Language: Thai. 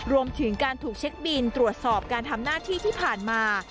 รวมถึงการถูกเช็คบินตรวจสอบการทำหน้าที่ที่ผ่านมา